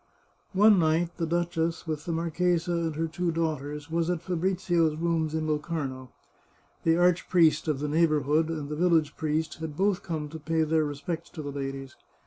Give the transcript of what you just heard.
One night, the duchess, with the marchesa and her two daughters, was at Fabrizio's rooms in Locarno. The arch priest of the neighbourhood and the village priest had both come to pay their respects to the ladies.